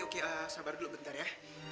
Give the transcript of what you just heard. oke sabar dulu bentar ya